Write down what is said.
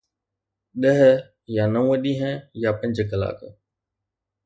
ڏهه يا نو ڏينهن يا پنج ڪلاڪ؟